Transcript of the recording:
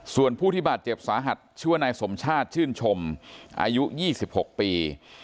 ส่วนผู้ที่บาดเจ็บสาหัสชื่อว่านายสมชาติชื่นชมอายุ๒๖ปี